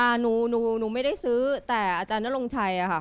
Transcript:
อะหนูไม่ได้ซื้อแต่อาจารย์น่ารงชัย